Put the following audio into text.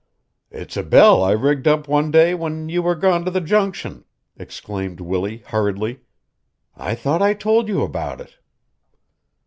"It's a bell I rigged up one day when you were gone to the Junction," exclaimed Willie hurriedly. "I thought I told you about it."